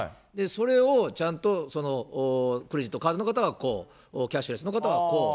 それをちゃんとクレジットカードの方はこう、キャッシュレスの方はこう。